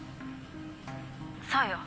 「そうよ！